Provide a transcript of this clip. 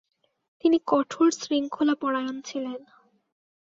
তিনি কঠোর শৃঙ্খলাপরায়ণ ছিলেন।